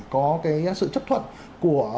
có cái sự chấp thuận của